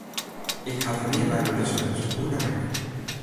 Ik ha der nea by belutsen west, hoe dan ek.